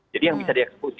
jadi yang bisa dieksekusi